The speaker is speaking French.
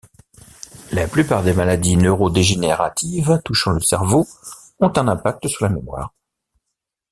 La plupart des maladies neurodégénératives touchant le cerveau ont un impact sur la mémoire.